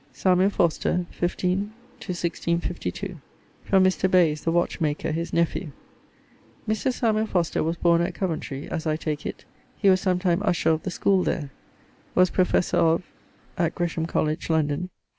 =Samuel Foster= (15.. 1652). From Mr. Bayes, the watchmaker, his nephew: Mr. Samuel Foster was borne at Coventry (as I take it); he was sometime usher of the schoole there. Was professor of ... at Gresham Colledge, London